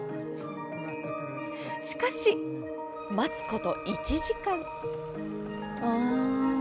しかし、待つこと１時間。